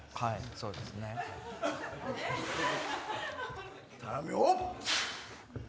そうですね。頼むよ！